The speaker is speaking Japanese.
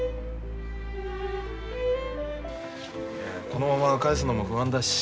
このまま帰すのも不安だし。